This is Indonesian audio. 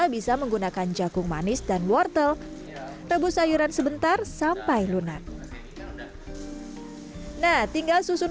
bisa menggunakan jakung manis dan wortel tebus sayuran sebentar sampai lunak nah tinggal susun